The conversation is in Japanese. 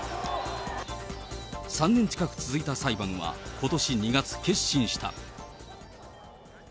３年近く続いた裁判はことし２月、結審した。